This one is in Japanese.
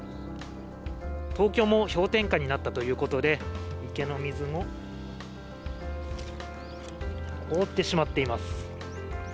東京も氷点下になったということで、池の水も、凍ってしまっています。